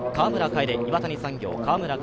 岩谷産業、川村楓。